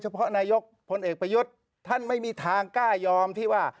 เพราะนายกพลเอกประยุทธ์ท่านไม่มีทางกล้ายอมที่ว่า